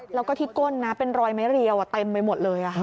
แล้วก็ที่ก้นนะเป็นรอยไม้เรียวเต็มไปหมดเลย